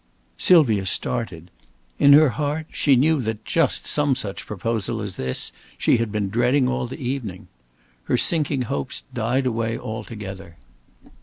Sylvia started. In her heart she knew that just some such proposal as this she had been dreading all the evening. Her sinking hopes died away altogether.